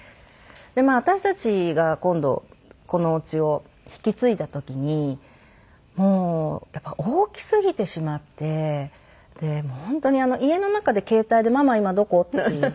まあ私たちが今度このお家を引き継いだ時にもうやっぱり大きすぎてしまって本当に家の中で携帯で「ママ今どこ？」っていう。